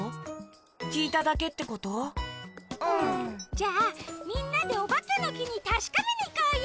じゃあみんなでおばけのきにたしかめにいこうよ！